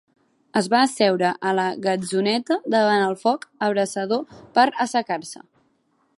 Es va asseure a la gatzoneta davant el foc abrasador per assecar-se.